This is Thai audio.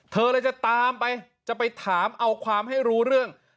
เธอเลยจะตามไปจะไปถามเอาความให้รู้เรื่อง